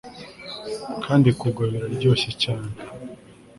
kandi kugwa biraryoshye cyane